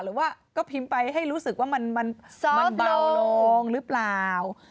หรือว่าก็พิมพ์ไปให้รู้สึกว่ามันเบาลงหรือเปล่า